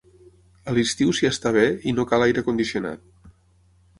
A l'estiu s'hi està bé i no cal aire condicionat.